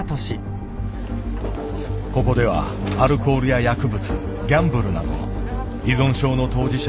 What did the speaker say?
ここではアルコールや薬物ギャンブルなど依存症の当事者